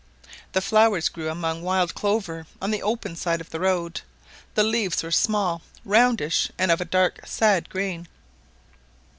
The flower grew among wild clover on the open side of the road; the leaves were small, roundish, and of a dark sad green.